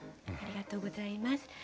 ありがとうございます。